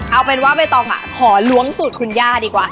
เอาเป็นว่าเฮ้ยตั้งอะขอล้วงสูตรครูญญาดีกว่า